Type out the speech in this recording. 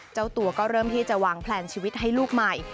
เจ้าตัวก็เริ่มที่จะวางแพลนชีวิตให้ลูกใหม่